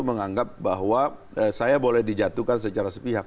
menganggap bahwa saya boleh dijatuhkan secara sepihak